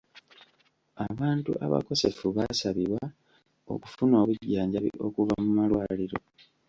Abantu abakosefu baasabibwa okufuna obujjanjabi okuva mu malwaliro.